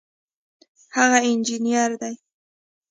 هغه انجینر دی